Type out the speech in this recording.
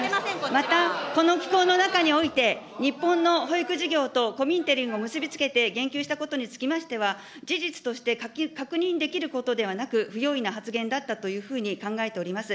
またこの寄稿の中において、日本の保育事業とコミンテルンを結び付けて言及したことにつきましては、事実として確認できることではなく、不用意な発言だったというふうに考えております。